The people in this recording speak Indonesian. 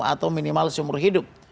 atau minimal seumur hidup